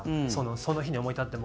その日に思い立っても。